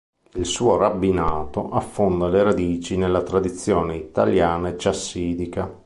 Il suo rabbinato affonda le radici nella tradizione italiana e chassidica.